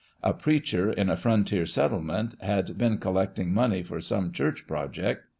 A preacher in a fron tier settlement had been collecting money for some churcli object.